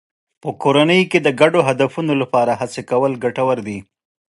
په کورنۍ کې د ګډو هدفونو لپاره هڅې کول ګټور دي.